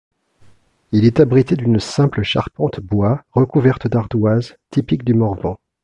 Il est abrité d'une simple charpente bois, recouverte d'ardoises, typique du Morvan.